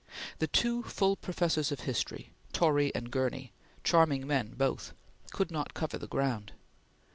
The two full Professors of History Torrey and Gurney, charming men both could not cover the ground.